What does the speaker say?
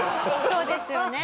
そうですよね。